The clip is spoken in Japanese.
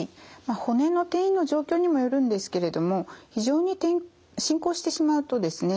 骨の転移の状況にもよるんですけれども非常に進行してしまうとですね